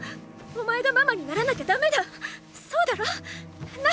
お前がママにならなきゃだめだそうだろう？な？